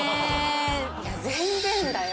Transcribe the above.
いや全然だよ。